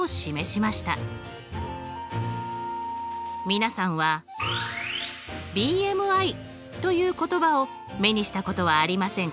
皆さんはＢＭＩという言葉を目にしたことはありませんか？